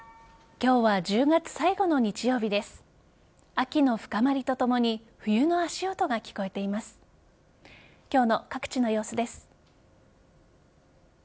今日の各地の様子です。